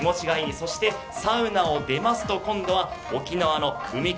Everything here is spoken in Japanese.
そしてサウナを出ますと今度は沖縄の海風。